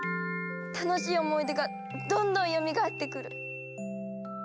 楽しい思い出がどんどんよみがえってくる。